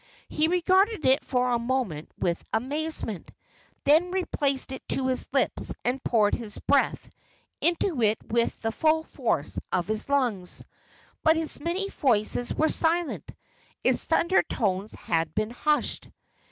He regarded it for a moment with amazement, then replaced it to his lips and poured his breath into it with the full force of his lungs; but its many voices were silent; its thunder tones had been hushed.